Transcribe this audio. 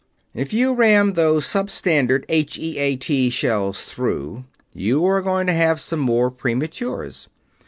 "If you ram those sub standard H.E.A.T. shell through, you are going to have some more prematures.